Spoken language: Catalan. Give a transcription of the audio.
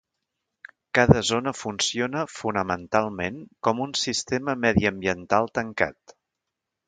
Cada zona funciona fonamentalment com un sistema mediambiental tancat.